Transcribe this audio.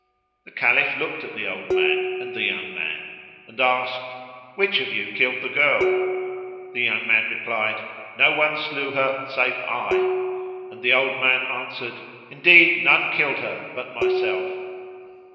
The Caliph looked at the old man and the young man and asked, "Which of you killed the girl?" The young man replied, "No one slew her save I;" and the old man answered, "Indeed none killed her but myself."